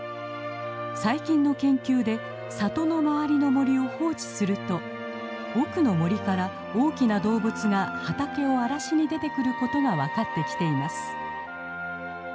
最近の研究で里の周りの森を放置すると奥の森から大きな動物が畑を荒らしに出てくることが分かってきています。